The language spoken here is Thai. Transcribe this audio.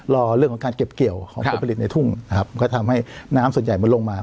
รอเรื่องของการเก็บเกี่ยวของผลผลิตในทุ่งนะครับก็ทำให้น้ำส่วนใหญ่มันลงมา